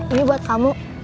ini buat kamu